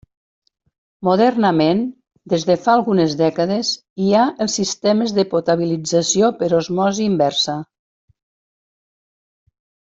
Modernament, des de fa algunes dècades, hi ha els sistemes de potabilització per osmosi inversa.